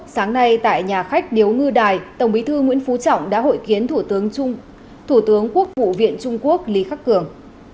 sáng nay tại nhà khách điếu ngư đài tổng bí thư nguyễn phú trọng đã hội kiến thủ tướng quốc vụ viện trung quốc lý khắc cường